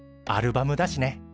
アルバムだしね。